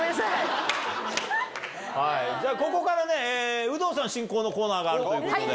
ここから有働さん進行のコーナーがあるということで。